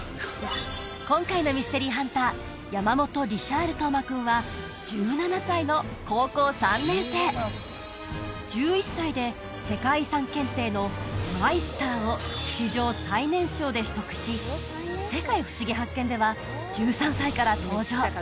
今回のミステリーハンター山本・リシャール登眞君は１７歳の高校３年生１１歳でを史上最年少で取得し「世界ふしぎ発見！」では１３歳から登場